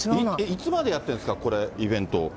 いつまでやってるんですか、これ、イベント。